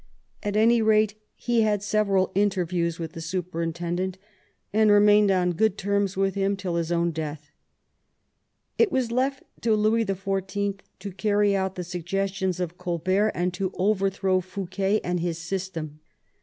At any rate he had several interviews with the superin tendent, and remained on good terms with him till his own death. It was left to Louis XIV. to carry out the suggestions of Colbert and to overthrow Fouquet and his system.